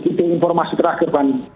itu informasi terakhir pani